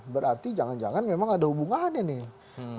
berarti jangan jangan memang ada hubungannya nih